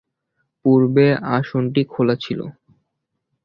পূর্বে আসনটি খোলা ছিল।